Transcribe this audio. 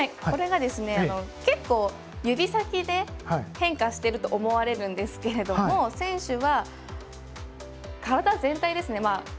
これが結構、指先で変化していると思われるんですが選手は体全体ですね。